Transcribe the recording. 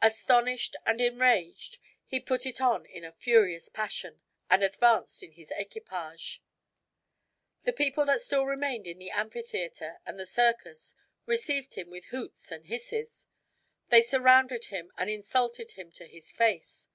Astonished and enraged, he put it on in a furious passion, and advanced in this equipage. The people that still remained in the amphitheater and the circus received him with hoots and hisses. They surrounded him and insulted him to his face.